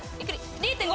０．５！